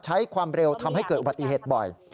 ใช้ความเร็วทำให้เกิดอุบัติเหตุบ่อย